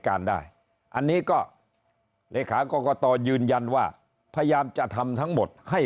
การได้อันนี้ก็เลขากรกตยืนยันว่าพยายามจะทำทั้งหมดให้